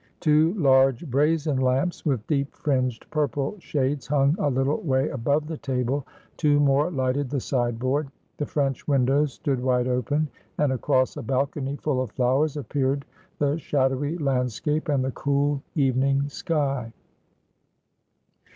Two large brazen lamps with deep fringed purple shades hung a little way above the table ; two more lighted the sideboard. The French windows stood wide open, and across a balcony full of flowers appeared the shadowy land scape and the cool evening sky.